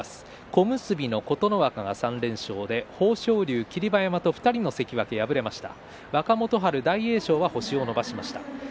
小結の琴ノ若が３連勝で豊昇龍、霧馬山の２人の関脇は敗れました。